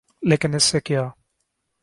لیکن اس سے کیا؟